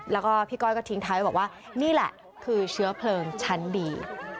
แล้วก็พี่ก้อยก็ทิ้งท้ายบอกว่านี่แหละคือเชื้อเพลิงชั้นดี